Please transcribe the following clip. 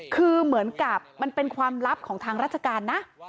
คือเหมือนกับมันเป็นความลับของทางราชการนะ